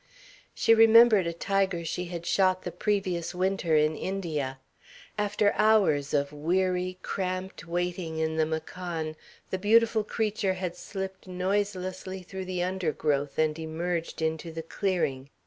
She remembered a tiger she had shot the previous winter in India. After hours of weary, cramped waiting in the machan the beautiful creature had slipped noiselessly through the undergrowth and emerged into the clearing.